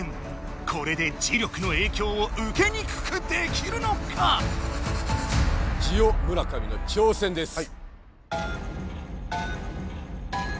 これで磁力のえいきょうをうけにくくできるのか⁉ジオ村上の挑戦です。